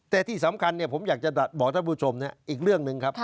แต่ที่สำคัญผมอยากจะบอกท่านผู้ชมอีกเรื่องหนึ่งครับ